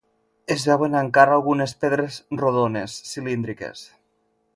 Es veuen encara algunes pedres rodones, cilíndriques.